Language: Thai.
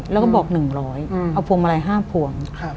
แล้วก็บอก๑๐๐เอาพวงมาลัย๕พวง